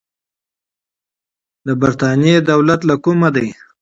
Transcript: د برتانیې دولت له کومه دی.